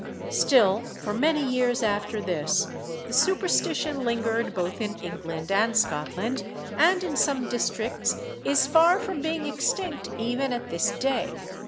Still for many years after this the superstition lingered both in England and Scotland, and in some districts is far from being extinct even at this day.